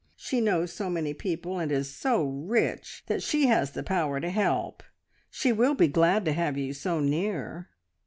She knows so many people, and is so rich that she has the power to help. She will be glad to have you so near.